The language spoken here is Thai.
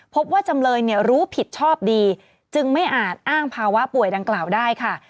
พบว่าจำเลยรู้ผิดชอบดีจึงไม่อาจอ้างภาวะป่วยดังกล่าวได้ค่ะ